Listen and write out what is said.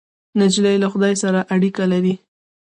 نجلۍ له خدای سره اړیکه لري.